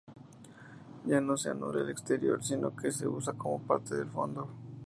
Ya no se anula el exterior, sino que se usa como parte del fondo.